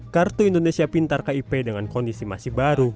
kartu indonesia pintar kip dengan kondisi masih baru